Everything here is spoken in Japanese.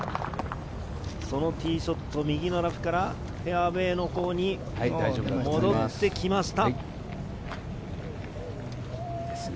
そのティーショット、右のラフからフェアウエーのほうに戻ってきました。